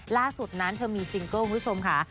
ล่าสุดนั้นเธอมีซิงเกิ้ลคุณผู้ชมค่ะ